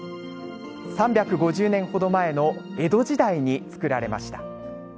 ３５０年ほど前の江戸時代に作られました。